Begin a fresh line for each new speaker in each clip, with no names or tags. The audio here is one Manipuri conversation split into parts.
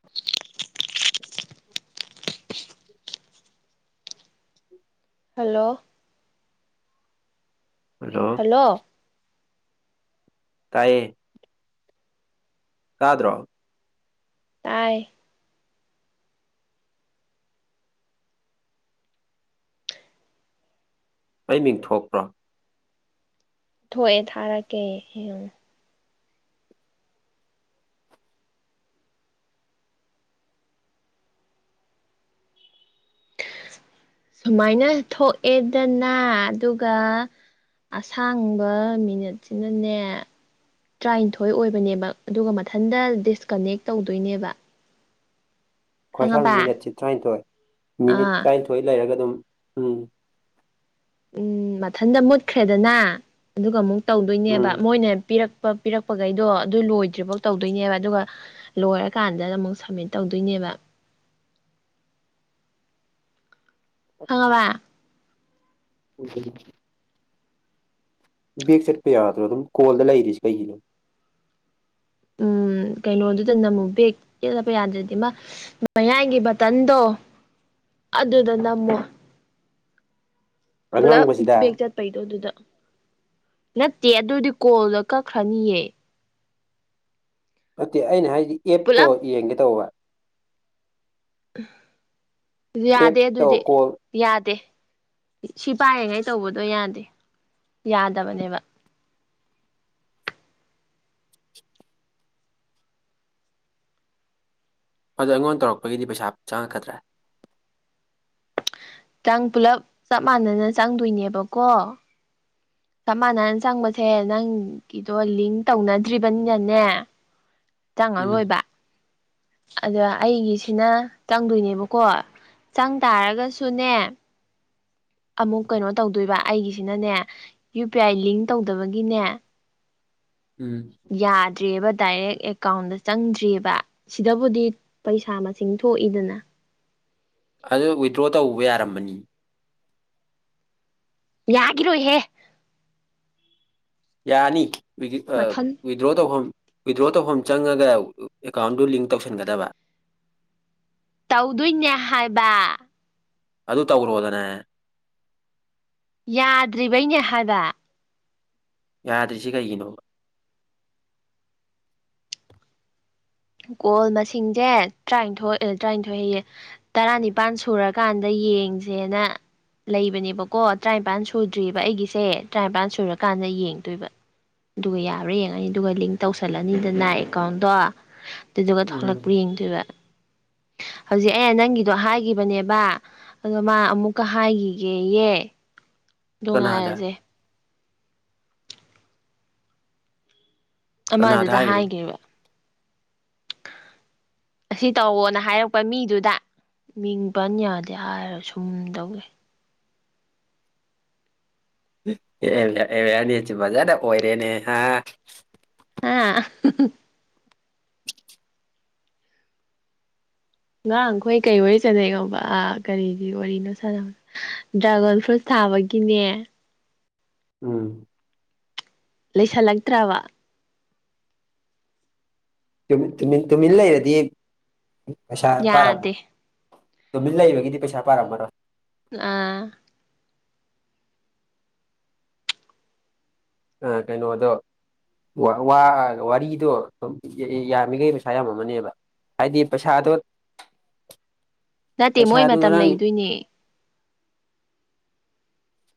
[inaudible]
[inaudible]
ꯍꯜꯂꯣ꯫
ꯍꯜꯂꯣ꯫
ꯍꯦꯜꯂꯣ꯫
ꯇꯥꯏꯌꯦ꯫ ꯀꯥꯗ꯭ꯔꯣ꯫
ꯇꯥꯏ꯫
ꯑꯩ ꯃꯤꯡ ꯊꯣꯛꯄ꯭ꯔꯣ꯫
ꯊꯣꯛꯑꯦ ꯊꯥꯔꯛꯀꯦ ꯌꯦꯡꯉꯨ꯫ ꯁꯨꯃꯥꯏꯅ ꯊꯣꯛꯑꯦꯗꯅ ꯑꯗꯨꯒ ꯑꯁꯥꯡꯕ ꯃꯤꯅꯠꯁꯤꯅꯅꯦ꯫ ꯇꯔꯥꯅꯤꯊꯣꯏ ꯑꯣꯏꯕꯅꯦꯕ ꯑꯗꯨꯒ ꯃꯊꯟꯇ ꯗꯤꯁꯀꯅꯦꯛ ꯇꯧꯗꯣꯏꯅꯦꯕ꯫
ꯈ꯭ꯋꯥꯏꯁꯥꯡ
ꯈꯪꯉꯕ
ꯃꯤꯅꯤꯠꯁꯤ ꯇꯔꯥꯅꯤꯊꯣꯏ ꯃꯤꯅꯤꯠ
ꯑꯥ
ꯇꯔꯥꯅꯤꯊꯣꯏ ꯂꯩꯔꯒ ꯑꯗꯨꯝ ꯎꯝ
ꯎꯝ ꯃꯊꯟꯇ ꯃꯨꯠꯈ꯭ꯔꯦꯗꯅ ꯑꯗꯨꯒ ꯑꯃꯨꯛ ꯇꯧꯗꯣꯏꯅꯦꯕ
ꯎꯝ
ꯃꯣꯏꯅ ꯄꯤꯔꯛ ꯄꯤꯔꯛꯄꯈꯩꯗꯣ ꯑꯗꯨ ꯂꯣꯏꯗ꯭ꯔꯤꯐꯥꯎ ꯇꯧꯗꯣꯏꯅꯦꯕ ꯑꯗꯨꯒ ꯂꯣꯏꯔꯀꯥꯟꯗ ꯑꯃꯨꯛ ꯁꯝꯃꯤꯠ ꯇꯧꯗꯣꯏꯅꯦꯕ꯫ ꯈꯪꯉꯕ꯫
[unintelligible] ꯕꯦꯛ ꯆꯠꯄ ꯌꯥꯗ꯭ꯔꯣ ꯑꯗꯨꯝ ꯀꯣꯜꯗ ꯂꯩꯔꯤꯁꯤ ꯀꯩꯒꯤꯅꯣ꯫
ꯎꯝ ꯀꯩꯅꯣꯗꯨꯗ ꯅ ꯑꯃꯨꯛ ꯕꯦꯛ ꯆꯠꯄ ꯌꯥꯗ꯭ꯔꯗꯤ ꯑꯃ ꯃꯌꯥꯏꯒꯤ ꯕꯇꯟꯗꯣ ꯑꯗꯨꯗ ꯅꯝꯃꯣ꯫ ꯄꯨꯂꯥꯞ
ꯑꯉꯥꯡꯕꯁꯤꯗ
ꯕꯦꯛ ꯆꯠ ꯄꯩꯗꯣ ꯑꯗꯨꯗ ꯅꯠꯇꯦꯌꯦ ꯑꯗꯨꯗꯤ ꯀꯣꯜꯗꯣ ꯀꯛꯈ꯭ꯔꯅꯤꯌꯦ꯫
ꯅꯠꯇꯦ ꯑꯩꯅ ꯍꯥꯏꯗꯤ ꯑꯦꯞꯇꯣ
ꯄꯨꯂꯞ
ꯌꯦꯡꯒꯦ ꯇꯧꯕ꯫
ꯎꯝ ꯌꯥꯗꯦ
ꯑꯦꯞꯇꯣ
ꯑꯗꯨꯗꯤ
ꯀꯣꯜ
ꯌꯥꯗꯦ ꯁꯤ ꯄꯥꯏꯔꯤꯉꯩ ꯇꯧꯕꯗꯣ ꯌꯥꯗꯦ ꯌꯥꯗꯕꯅꯦꯕ
ꯑꯗꯣ ꯑꯩꯉꯣꯟ ꯇꯧꯔꯛꯄꯒꯤꯗꯤ ꯄꯩꯁꯥ ꯆꯪꯉꯛꯀꯥꯗ꯭ꯔꯦ
ꯆꯪ ꯄꯨꯂꯞ ꯆꯞ ꯃꯥꯟꯅꯅ ꯆꯪꯗꯣꯏꯅꯦꯕꯀꯣ ꯆꯞ ꯃꯥꯟꯅꯅ ꯆꯪꯕꯁꯦ ꯅꯪꯒꯤꯗꯣ ꯂꯤꯡ ꯇꯧꯅꯗ꯭ꯔꯤꯕꯅꯤꯅꯅꯦ
ꯎꯝ
ꯆꯪꯉꯔꯣꯏꯕ ꯑꯗꯥ ꯑꯩꯒꯤꯁꯤꯅ ꯆꯪꯗꯣꯏꯅꯦꯕꯀꯣ ꯆꯪ ꯇꯥꯔꯒꯥꯁꯨꯅꯦ ꯑꯃꯨꯛ ꯀꯩꯅꯣ ꯇꯧꯗꯣꯏꯕ ꯑꯩꯒꯤꯁꯤꯅꯅꯦ ꯌꯨ ꯄꯤ ꯑꯥꯏ ꯂꯤꯡ ꯇꯧꯗꯕꯒꯤꯅꯦ
ꯎꯝ
ꯌꯥꯗ꯭ꯔꯦꯕ ꯗꯥꯏꯔꯦꯛ ꯑꯦꯀꯥꯎꯟꯗꯥ ꯆꯪꯗ꯭ꯔꯤꯑꯕ ꯁꯤꯗꯕꯨꯗꯤ ꯄꯩꯁꯥ ꯃꯁꯤꯡ ꯊꯣꯛꯏꯗꯅ
ꯑꯗꯨ ꯋꯤꯗ꯭ꯔꯣ ꯇꯧꯕ ꯌꯥꯔꯝꯃꯅꯤ
ꯌꯥꯒꯤꯔꯣꯏꯍꯦ
ꯌꯥꯅꯤ [unintelligible] ꯑꯥ
ꯃꯊꯟ
ꯋꯤꯠ ꯗ꯭ꯔꯣ ꯇꯧꯐꯝ ꯋꯤꯗ꯭ꯔꯣ ꯇꯧꯐꯝ ꯆꯪꯉꯒꯥ ꯑꯦꯀꯥꯎꯟꯗꯨ ꯂꯤꯡ ꯇꯧꯁꯟꯒꯥꯗꯕ
ꯇꯧꯗꯣꯏꯅꯦ ꯍꯥꯏꯕ
ꯑꯗꯨ ꯇꯧꯔꯣꯗꯥꯅ
ꯌꯥꯗ꯭ꯔꯤꯕꯩꯅꯦ ꯍꯥꯏꯕ
ꯌꯥꯗ꯭ꯔꯤꯁꯤ ꯀꯩꯒꯤꯅꯣꯕ
ꯀꯣꯜ ꯃꯁꯤꯡꯖꯦ ꯇ꯭ꯔꯥꯅꯤꯊꯣꯏ ꯑꯦ ꯇ꯭ꯔꯥꯅꯤꯊꯣꯏ ꯍꯩꯌꯦ ꯇꯥꯔꯥꯅꯤꯄꯥꯜ ꯁꯨꯔꯀꯥꯟꯗ ꯌꯦꯡꯖꯦꯅ ꯂꯩꯕꯅꯦꯕꯀꯣ ꯇ꯭ꯔꯥꯏꯝꯄꯥꯟ ꯁꯨꯗ꯭ꯔꯤꯕ ꯑꯩꯒꯤꯁꯦ ꯇ꯭ꯔꯥꯏꯝꯄꯥꯟ ꯁꯨꯔꯀꯥꯟꯗꯥ ꯌꯦꯡꯗꯣꯏꯕ ꯗꯨꯒꯥ ꯌꯥꯕ꯭ꯔꯥ ꯌꯦꯡꯉꯅꯤ ꯗꯨꯒꯥ ꯂꯤꯡ ꯇꯧꯁꯜꯂꯅꯤꯗꯅ ꯑꯦꯀꯥꯎꯟꯗꯣ ꯇꯨꯗꯨꯒꯥ
ꯎꯝ
ꯊꯣꯛꯂꯛꯄ꯭ꯔꯥ ꯌꯦꯡꯗꯣꯏꯕ ꯍꯧꯖꯤꯛ ꯑꯩꯅ ꯅꯪꯒꯤꯗꯣ ꯍꯥꯏꯒꯤꯕꯅꯦꯕ ꯑꯗꯣ ꯃꯥ ꯑꯃꯨꯛꯀꯥ ꯍꯥꯏꯒꯤꯒꯦꯌꯦ ꯗꯣ
ꯀꯅꯥꯗ
ꯉꯥꯏꯔꯖꯦ
ꯀꯅꯥꯗ
ꯑꯃꯗꯨꯗꯥ
ꯍꯥꯏꯔꯤꯕ
ꯍꯥꯏꯒꯤꯕ ꯑꯁꯤ ꯇꯧꯋꯣꯅ ꯍꯥꯏꯔꯛꯄ ꯃꯤꯗꯨꯗꯥ ꯃꯤꯡ ꯄꯟ ꯌꯥꯗꯦ ꯍꯥꯏꯔꯥ ꯁꯨꯝ ꯇꯧ ꯂꯩ
[unintelligible] ꯑꯦ ꯑꯦꯋꯥꯔꯅꯦꯆꯦ ꯐꯖꯅ ꯑꯣꯏꯔꯦꯅꯦ ꯍꯥ
ꯍꯥ ꯉꯥꯡ ꯈꯣꯏ ꯀꯩ ꯋꯥꯔꯤ ꯁꯥꯟꯅꯩ ꯈꯪꯕ ꯑꯥ ꯀꯔꯤꯒꯤ ꯋꯥꯔꯤꯅꯣ ꯁꯥꯟꯅꯕꯅꯣ ꯗ꯭ꯔꯥꯒꯣꯟ ꯐ꯭ꯔꯨꯠ ꯊꯕꯒꯤꯅꯦ
ꯎꯝ
ꯂꯩꯁꯜꯂꯛꯇ꯭ꯔꯥꯕ
ꯇꯨꯃꯤꯠ ꯇꯨꯃꯤꯟ ꯇꯨꯃꯤꯟ ꯂꯩꯔꯗꯤ ꯄꯩꯁꯥ
ꯌꯥꯗꯦ
ꯄꯥꯔꯝꯃꯣꯏ ꯇꯨꯃꯤꯟ ꯂꯩꯕꯒꯤꯗꯤ ꯄꯩꯁꯥ ꯄꯥꯔꯝꯃꯔꯣꯏ
ꯑꯥ
ꯑꯥ ꯀꯩꯅꯣꯗꯣ ꯋꯥ ꯋꯥ ꯋꯥꯔꯤꯗꯣ ꯌꯥ ꯌꯥꯝꯃꯤꯒꯩ ꯄꯩꯁꯥ ꯌꯥꯝꯃꯝꯃꯅꯦꯕ ꯍꯥꯏꯗꯤ ꯄꯩꯁꯥꯗꯣꯠ
ꯅꯠꯇꯦ ꯃꯣꯏ ꯃꯇꯝ
ꯉꯔꯥꯡ
ꯂꯩꯗꯣꯏꯅꯦ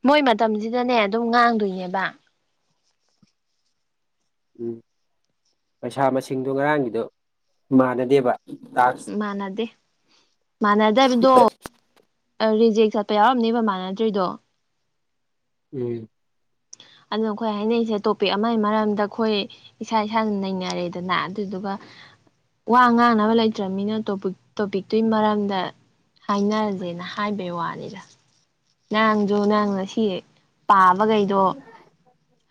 ꯃꯣꯏ ꯃꯇꯝꯖꯤꯗꯥꯅꯦ ꯑꯗꯨꯝ ꯉꯥꯡꯗꯣꯏꯅꯦꯕ
ꯎꯝ ꯄꯩꯁꯥ ꯃꯁꯤꯡꯗꯣ ꯉꯔꯥꯡꯒꯤꯗꯣ ꯃꯥꯟꯅꯗꯦꯕ ꯇꯥꯛꯁ
ꯃꯥꯟꯅꯗꯦ ꯃꯥꯟꯅꯗꯥꯕꯗꯣ ꯑꯥ ꯔꯤꯖꯦꯛ ꯆꯠꯄ ꯌꯥꯎꯔꯝꯅꯦꯕ ꯃꯥꯟꯅꯗ꯭ꯔꯤꯗꯣ
ꯎꯝ
ꯑꯗꯨꯅ ꯑꯈꯣꯏ ꯍꯥꯏꯅꯔꯤꯁꯦ ꯇꯣꯄꯤꯛ ꯑꯃꯒꯤ ꯃꯔꯝꯗ ꯑꯈꯣꯏ ꯏꯁꯥ ꯏꯁꯥꯅ ꯅꯩꯅꯔꯦꯗꯅ ꯑꯗꯨꯗꯨꯒ ꯋꯥ ꯉꯥꯡꯅꯕ ꯂꯩꯇ꯭ꯔꯃꯤꯅ ꯇꯣꯄꯤꯛ ꯇꯣꯄꯤꯛꯇꯨꯒꯤ ꯃꯔꯝꯗ ꯍꯥꯏꯅꯔꯁꯦꯅ ꯍꯥꯏꯕꯩ ꯋꯥꯅꯤꯗ ꯅꯪꯖꯨ ꯅꯪ ꯉꯁꯤ ꯄꯥꯕꯒꯩꯗꯣ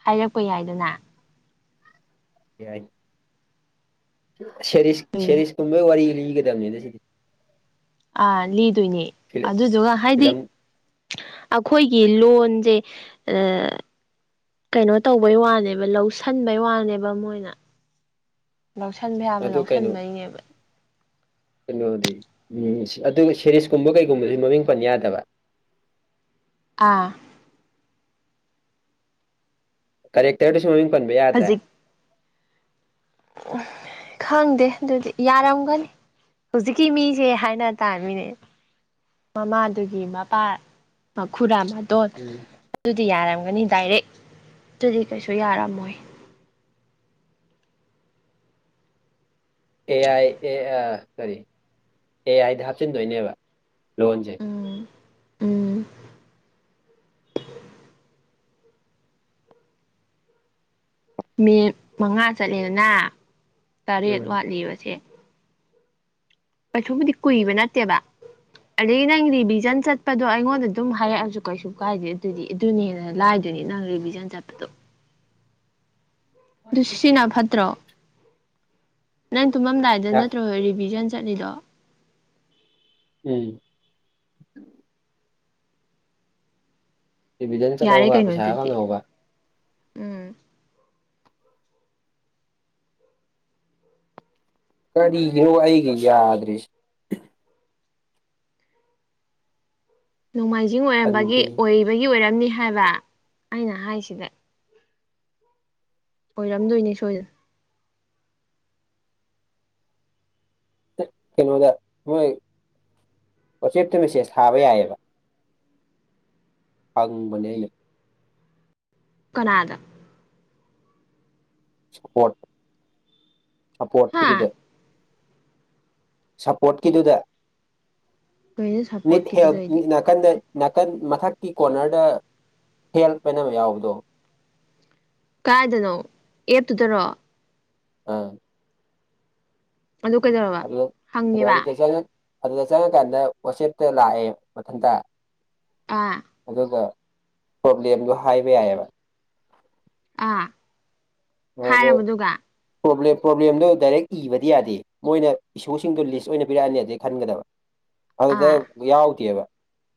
ꯍꯥꯏꯔꯛꯄ ꯌꯥꯏꯗꯅ
ꯌꯥꯏ ꯁꯦꯔꯤꯁ ꯁꯦꯔꯤꯁ ꯀꯨꯝꯕꯒꯤ ꯋꯥꯔꯤ ꯂꯤꯒꯗꯝꯅꯤꯗ ꯁꯤꯗꯤ
ꯑꯥ ꯂꯤꯗꯣꯏꯅꯦ ꯑꯗꯨꯗꯨꯒ ꯍꯥꯏꯗꯤ
ꯐꯤꯂꯝ
ꯑꯩꯈꯣꯏꯒꯤ ꯂꯣꯟꯖꯦ ꯑ ꯀꯩꯅꯣ ꯇꯧꯕꯩ ꯋꯥꯅꯦꯕ ꯂꯧꯁꯟꯕꯩ ꯋꯥꯅꯦꯕ ꯃꯣꯏꯅ ꯂꯧꯁꯟꯕ ꯌꯥꯕ
ꯑꯗꯨ
ꯂꯧꯁꯟꯕꯩꯅꯦꯕ
ꯀꯩꯅꯣꯗꯨꯗꯤ ꯎꯝ ꯑꯗꯨꯒ ꯁꯦꯔꯤꯁꯀꯨꯝꯕ ꯀꯩꯒꯨꯝꯕꯁꯨ ꯃꯃꯤꯡ ꯄꯟ ꯌꯥꯗꯕ
ꯑꯥ
ꯀꯔꯦꯛꯇꯔꯗꯁꯨ ꯃꯃꯤꯡ ꯄꯟꯕ ꯌꯥꯗ꯭ꯔꯦ
ꯎ ꯈꯪꯗꯦ ꯑꯗꯨꯗꯤ ꯌꯥꯔꯝꯒꯅꯤ ꯍꯨꯖꯤꯛꯀꯤ ꯃꯤꯁꯦ ꯍꯥꯏꯅ ꯇꯥꯔꯃꯤꯅꯦ ꯃꯃꯥꯗꯨꯒꯤ ꯃꯄꯥ ꯃꯈꯨꯔꯥ ꯑꯃ ꯇꯣ
ꯎꯝ
ꯑꯗꯨꯗꯤ ꯌꯥꯔꯝꯒꯅꯤ ꯗꯥꯏꯔꯦꯛ ꯇꯨꯗꯤ ꯀꯩꯁꯨ ꯌꯥꯔꯝꯃꯣꯏ
ꯑꯦ ꯑꯥꯏ ꯑꯦ ꯑ ꯀꯔꯤ ꯑꯦ ꯑꯥꯏꯗ ꯍꯥꯞꯆꯤꯟꯗꯣꯏꯅꯦꯕ ꯂꯣꯟꯁꯦ
ꯎꯝ ꯎꯝ ꯃꯤꯅꯤꯠ ꯃꯉꯥ ꯆꯠꯂꯦꯗꯅ ꯇꯔꯦꯠ
ꯎꯝ
ꯋꯥꯠꯂꯤꯕꯁꯦ ꯀꯩꯁꯨꯕꯨꯗꯤ ꯀꯨꯏꯕ ꯅꯠꯇꯦꯕ ꯑꯗꯒꯤ ꯅꯪ ꯔꯤꯚꯤꯖꯟ ꯆꯠꯄꯗꯣ ꯑꯩꯉꯣꯟꯗ ꯑꯗꯨꯝ ꯍꯥꯏꯔꯛꯑꯁꯨ ꯀꯩꯁꯨ ꯀꯥꯏꯗꯦ ꯑꯗꯨꯗꯤ ꯑꯗꯨꯅꯦꯅ ꯍꯦꯟꯅ ꯂꯥꯏꯗꯨꯏꯅꯦ ꯅꯪ ꯔꯤꯚꯤꯖꯟ ꯆꯠꯄꯗꯣ ꯑꯗꯨ ꯁꯤꯅ ꯐꯠꯇ꯭ꯔꯣ ꯅꯪ ꯇꯨꯝꯃꯝꯗꯥꯏ ꯗ ꯅꯠꯇ꯭ꯔꯣ ꯔꯤꯚꯤꯖꯟ ꯆꯠꯂꯤꯗꯣ
ꯎꯝ ꯔꯤꯚꯤꯖꯟ
ꯌꯥꯔꯦ
ꯆꯠꯂꯧꯕ
ꯀꯩꯅꯣ
ꯄꯩꯁꯥ
ꯑꯗꯨꯗꯤ
ꯐꯡꯍꯧꯕ
ꯎꯝ
ꯀꯔꯤꯒꯤꯅꯣꯕ ꯑꯩꯒꯤ ꯌꯥꯗ꯭ꯔꯤꯁꯤ
ꯅꯣꯡꯃꯥꯏꯖꯤꯡ ꯑꯣꯏꯔꯝꯕꯒꯤ
ꯁꯟꯗꯦ
ꯑꯣꯏꯕꯒꯤ ꯑꯣꯏꯔꯝꯅꯤ ꯍꯥꯏꯕ ꯑꯩꯅ ꯍꯥꯏꯁꯤꯗ ꯑꯣꯏꯔꯝꯗꯣꯏꯅꯦ ꯁꯣꯏꯗꯅ
ꯀꯩꯅꯣꯗ ꯃꯣꯏ ꯋꯥꯠꯆꯦꯞꯇ ꯃꯦꯁꯦꯁ ꯊꯥꯕ ꯌꯥꯏꯌꯦꯕ ꯍꯡꯕꯅꯦ ꯑꯩꯅ
ꯀꯅꯥꯗ
ꯁꯄꯣꯔ꯭ꯇ
ꯍꯥ
ꯁꯄꯣꯔ꯭ꯇꯀꯤꯗꯨꯗ ꯁꯄꯣꯔ꯭ꯇꯀꯤꯗꯨꯗ
ꯀꯩꯅꯣ
ꯅꯤꯠ ꯍꯦꯜꯞ
ꯁꯞꯄꯣꯔꯠꯀꯤꯗꯨꯗ ꯑꯩꯗꯤ
[unintelligible] ꯅꯥꯛꯀꯟꯗ ꯅꯥꯛꯀꯟ ꯃꯊꯛꯀꯤ ꯀꯣꯔꯅꯔꯗ ꯍꯦꯜꯞ ꯍꯥꯏꯅ ꯑꯃ ꯌꯥꯎꯕꯗꯣ
ꯀꯥꯏꯗꯅꯣ ꯑꯦꯞꯇꯨꯗꯔꯣ
ꯑꯥ
ꯑꯗꯨ ꯀꯩꯗꯧꯔ
ꯑꯗꯨꯗ ꯑꯗꯨꯗ ꯆꯪꯉ ꯑꯗꯨꯗ ꯆꯪꯉꯀꯥꯟꯗ ꯋꯥꯆꯦꯞꯇ ꯂꯥꯛꯑꯦ ꯃꯊꯟꯇ
ꯑ
ꯑꯗꯨꯒ ꯄ꯭ꯔꯣꯕ꯭ꯂꯦꯝꯗꯣ ꯍꯥꯏꯕ ꯌꯥꯏꯑꯦꯕ
ꯑꯥ
ꯑꯗꯥ
ꯍꯥꯏꯔꯕꯗꯨꯒ
ꯄ꯭ꯔꯦꯕ꯭ꯂꯦꯝ ꯄ꯭ꯔꯣꯕ꯭ꯂꯦꯝꯗꯣ ꯗꯥꯏꯔꯦꯛ ꯏꯕꯗꯤ ꯌꯥꯗꯦ ꯃꯣꯏꯅ ꯏꯁꯁꯨꯁꯤꯡꯗꯨ ꯂꯤꯁ ꯑꯣꯏꯅ ꯄꯤꯔꯛꯑꯅꯤ ꯑꯗꯩ ꯈꯟꯒꯗꯕ ꯑꯗꯨꯗ
ꯑꯥ
ꯌꯥꯎꯗꯦꯕ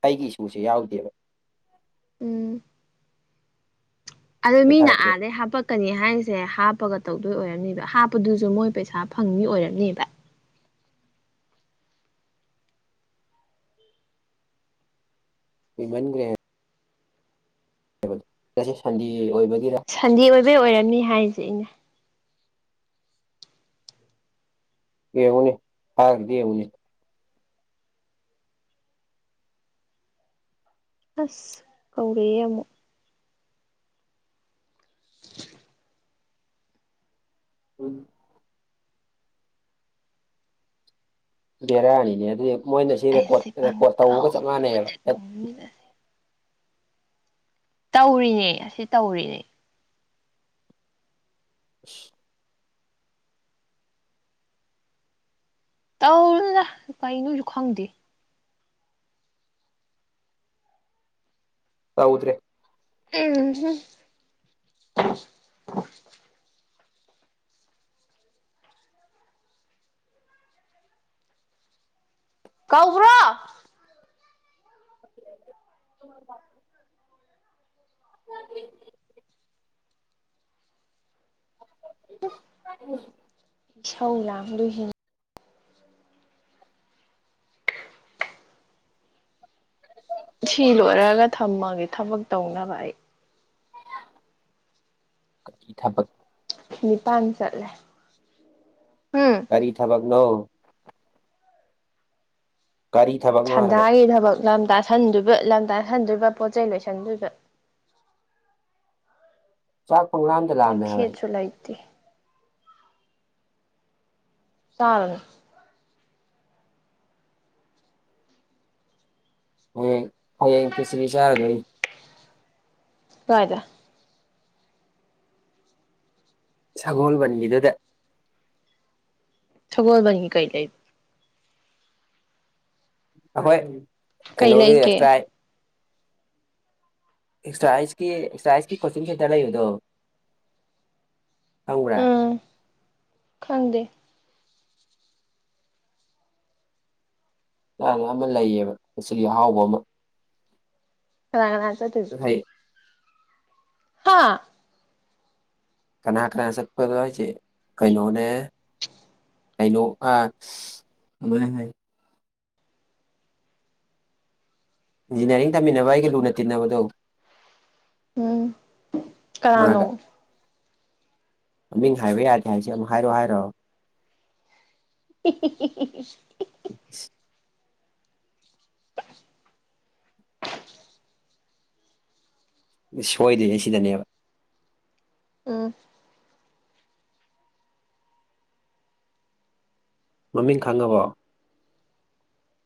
ꯑꯩꯒꯤ ꯏꯁꯨꯁꯦ
ꯎꯝ
ꯌꯥꯎꯗꯦꯕ
ꯎꯝ ꯑꯗꯨ
ꯑꯩ
ꯃꯤꯅ
ꯊꯥꯔꯛꯀꯦ
ꯑꯥꯗꯩ ꯍꯥꯄꯛ ꯀꯅꯤ ꯍꯥꯏꯁꯦ ꯍꯥꯞꯄꯒ ꯇꯧꯗꯣꯏ ꯑꯣꯏꯔꯝꯅꯦꯕ ꯍꯥꯞꯄꯗꯨꯁꯨ ꯃꯣꯏ ꯄꯩꯁꯥ ꯐꯪꯅꯤ ꯑꯣꯏꯔꯝꯅꯤꯕ
ꯀꯨꯏꯃꯟꯒ꯭ꯔꯦ ꯉꯁꯤ ꯁꯟꯗꯦ ꯑꯣꯏꯕꯒꯤꯔ
ꯁꯟꯗꯦ ꯑꯣꯏꯕꯩ ꯑꯣꯏꯔꯝꯅꯤ ꯍꯥꯏꯁꯦ ꯑꯩꯅ
ꯌꯦꯡꯉꯨꯅꯤ ꯊꯥꯒꯤꯗꯨ ꯌꯦꯡꯉꯨꯅꯦ
ꯑꯁ ꯀꯧꯔꯛꯑꯦ ꯑꯃꯨꯛ
ꯎꯝ ꯕꯦꯔꯥꯅꯤꯅꯦ ꯑꯗꯨꯗꯤ ꯃꯣꯏꯅ ꯁꯤ ꯔꯦꯀꯣꯔꯠ
ꯑꯩꯁꯦ
ꯔꯦꯀꯣꯔꯠ ꯇꯧꯕꯒ ꯆꯞ ꯃꯥꯟꯅꯩꯑꯕ
ꯄꯪꯀꯧꯗ ꯀꯧꯅꯤꯗ ꯇꯧꯔꯤꯅꯦ ꯑꯁꯤ ꯇꯧꯔꯤꯅꯦ
ꯏꯁ
ꯇꯧꯅꯨꯗ ꯀꯩꯅꯣꯁꯨ ꯈꯪꯗꯦ
ꯇꯧꯗ꯭ꯔꯦ
ꯎꯝ ꯍꯨ ꯀꯧꯕ꯭ꯔꯣ ꯏꯁꯧꯂꯡ ꯂꯥꯡꯗꯣꯏꯁꯤꯅꯤ ꯊꯤ ꯂꯣꯏꯔꯒ ꯊꯝꯃꯒꯦ ꯊꯥꯕꯛ ꯇꯧꯅꯕ ꯑꯩ
ꯀꯤ ꯊꯕꯛ
ꯅꯤꯄꯥꯟ ꯆꯠꯂꯦ ꯍꯨ
ꯀꯔꯤ ꯊꯕꯛꯅꯣ ꯀꯔꯤ ꯊꯕꯛ
ꯁꯟꯗꯥꯒꯤ ꯊꯕꯛ ꯂꯝ ꯇꯥꯁꯟꯗꯣꯏꯕ ꯂꯝ ꯇꯥꯁꯟꯗꯣꯏꯕ ꯄꯣꯠꯆꯩ ꯂꯣꯏꯁꯟꯗꯣꯏꯕ
ꯆꯥꯛ ꯄꯡꯂꯝꯗꯥ
ꯃꯩꯈꯦꯠꯁꯨ ꯂꯩꯇꯦ ꯆꯔꯨꯅꯨ
ꯍꯌꯦꯡ ꯍꯌꯦꯡ ꯈꯦꯁꯆ꯭ꯔꯤ ꯆꯥꯔꯨꯗꯣꯏ
ꯀꯥꯏꯗꯥ
ꯁꯥꯒꯣꯜꯕꯟꯒꯤꯗꯨꯗ
ꯁꯒꯣꯜꯕꯟꯒꯤ ꯀꯩꯀꯩ
ꯑꯈꯣꯏ
ꯀꯩ
ꯀꯩꯅꯣꯒꯤ
ꯂꯩꯒꯦ
ꯑꯦꯛꯁꯇ꯭ꯔꯥꯥꯏ ꯑꯦꯛꯁꯇ꯭ꯔꯥ ꯑꯦꯛꯁꯀꯤ ꯑꯦꯛꯁꯇ꯭ꯔꯥ ꯑꯦꯛꯁꯀꯤ ꯀꯣꯆꯤꯡ ꯁꯦꯟꯇꯔ ꯂꯩꯕꯗꯣ ꯈꯪꯕ꯭ꯔꯥ
ꯎꯝ ꯈꯪꯗꯦ
[unintelligible] ꯑꯃ ꯂꯩꯌꯦꯕ ꯀꯦꯆ꯭ꯔꯤ ꯑꯍꯥꯎꯕ ꯑꯃ
ꯀꯅꯥ ꯀꯅꯥ ꯆꯠꯇꯣꯏꯕ
ꯍꯩ
ꯍꯥꯥ
ꯀꯅꯥ ꯀꯅꯥ ꯆꯠꯄꯗꯣ ꯍꯥꯏꯁꯦ ꯀꯩꯅꯣꯅꯦ ꯀꯥꯏꯅꯣ ꯑꯥ [unintelligible] ꯏꯟꯖꯤꯅꯤꯌꯥꯔꯤꯡ ꯇꯝꯃꯤꯟꯅꯕ ꯑꯩꯒ ꯂꯨꯅ ꯇꯤꯟꯅꯕꯗꯣ
ꯎꯝ ꯀꯅꯥꯅꯣ
ꯃꯥꯒ ꯃꯃꯤꯡ ꯍꯥꯏꯕ ꯌꯥꯗꯦ ꯍꯥꯏꯁꯦ ꯑꯃꯨꯛ ꯍꯥꯏꯔꯣ ꯍꯥꯏꯔꯣ
[unintelligible]
INAUDIBLE ꯃꯤ ꯁꯣꯏꯗꯣꯏꯁꯦ ꯁꯤꯗꯅꯦꯕ
INAUDIBLE
ꯃꯃꯤꯡ ꯈꯪꯉꯥꯕꯣ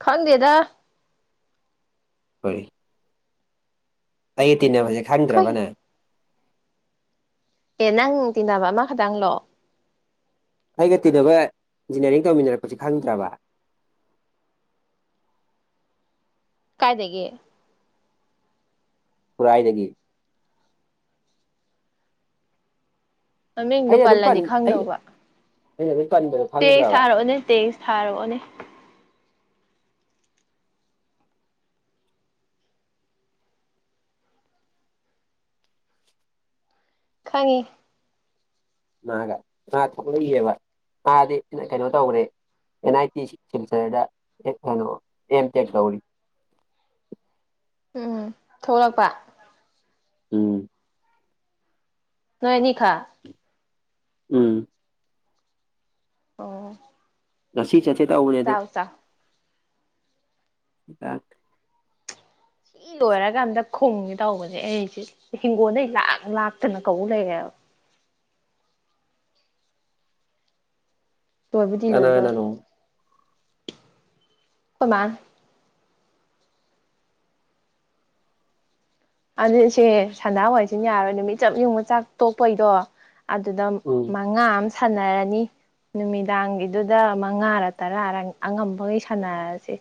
ꯈꯪꯗꯦꯗꯥ
UNINTELLIGIBLE ꯑꯩꯒ ꯇꯤꯟꯅꯕꯖꯦ
ꯀꯩ
ꯈꯪꯗ꯭ꯔꯕꯅꯦ
ꯑꯦ ꯅꯪ ꯇꯤꯟꯅꯕ ꯑꯃꯥ ꯈꯇꯪꯂꯣ
ꯑꯩꯒ ꯇꯤꯟꯅꯕ ꯏꯟꯖꯤꯅꯤꯌꯥꯔꯤꯡ ꯇꯧꯃꯤꯟꯅꯔꯛꯄꯖꯤ ꯈꯪꯗ꯭ꯔꯕ
ꯀꯥꯏꯗꯒꯤ
ꯈꯨꯔꯥꯏꯗꯒꯤ
ꯃꯃꯤꯡꯗꯣ
ꯑꯩꯅ ꯗꯨꯝ
ꯄꯜꯂꯗꯤ
ꯄꯟ ꯑꯩ ꯑꯩꯅ ꯗꯨꯝ ꯄꯟꯕꯗꯣ
ꯇꯦꯁ
ꯈꯪꯗ꯭ꯔꯕ
ꯊꯥꯔꯛꯑꯣꯅꯦ ꯇꯦꯁ ꯊꯥꯔꯛꯑꯣꯅꯦ ꯈꯪꯉꯤ
ꯃꯥꯒ ꯃꯥ ꯊꯣꯛꯂꯛꯏꯑꯦꯕ ꯃꯥꯗꯤ ꯑꯩꯅ ꯀꯩꯅꯣ ꯇꯧꯕꯅꯤ ꯑꯦꯟ ꯑꯥꯏ ꯇꯤ ꯁꯤꯜꯆꯔꯗꯥ ꯑꯦ ꯀꯩꯅꯣ ꯑꯦꯝ ꯇꯦꯛ ꯇꯧꯔꯤ
ꯎꯪꯑ ꯊꯣꯛꯂꯛꯄ
ꯎꯪ
ꯅꯣꯏ ꯑꯅꯤ ꯈꯛ
ꯎꯪ
ꯑꯣꯑꯣ
ꯉꯁꯤ ꯆꯠꯁꯦ ꯇꯩꯕꯅꯦ ꯑꯗꯣ ꯌꯥ
ꯏ ꯂꯣꯏꯔꯀꯥꯟꯗ ꯈꯨꯝꯒꯦ ꯇꯧꯕꯅꯦ ꯑꯩꯖꯦ ꯍꯤꯡꯒꯣꯜꯗꯩ ꯂꯥꯛ ꯂꯥꯛꯇꯅ ꯀꯧ ꯂꯩꯔꯦꯕ ꯂꯣꯏꯕꯨꯗꯤ ꯂꯣꯏꯗꯣꯔꯦ
ꯀꯅꯥꯅꯅꯣ
ꯈꯣꯏ ꯃꯥꯅ ꯑꯅꯤꯁꯦ ꯁꯟꯗꯥꯋꯥꯏꯖꯤꯅ ꯌꯥꯔꯣꯏ ꯅꯨꯃꯤꯠ ꯆꯞ ꯌꯨꯡꯉꯥ ꯆꯥꯛ ꯇꯣꯛꯄꯩꯗꯣ ꯑꯗꯨꯗ
ꯎꯝ
ꯃꯠ ꯉꯥꯥꯡ ꯑꯃ ꯁꯥꯟꯅꯔꯅꯤ ꯅꯨꯃꯤꯗꯥꯡꯒꯤꯗꯨꯗ ꯃꯉꯥꯔꯛ ꯇꯔꯥꯔꯛ ꯑꯉꯝꯕꯒꯩ ꯁꯥꯟꯅꯔꯖꯦ